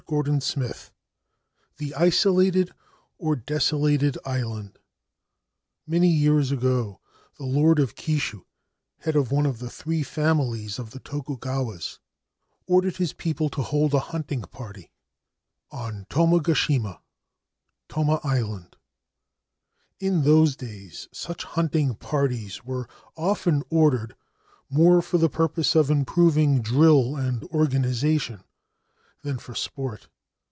119 XX THE ISOLATED OR DESOLATED ISLAND MANY years ago the Lord of Kishu, head of one of the three families of the Tokugawas, ordered his people tc hold a hunting party on Tomagashima (Toma Island) In those days such hunting parties were often ordered, more for the purpose of improving drill and organisation than for sport.